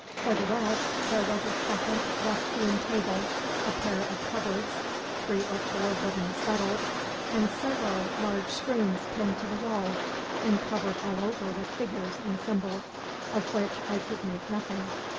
For the rest there was a second rough hewn table, a pair of cupboards, three or four wooden settles, and several large screens pinned to the walls and covered all over with figures and symbols, of which I could make nothing.